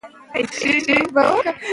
هغه لس کاله کار کاوه.